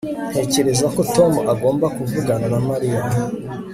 Ntekereza ko Tom agomba kuvugana na Mariya